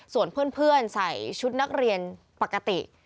ส่วนเพื่อนใส่ชุดนักเรียนปกติ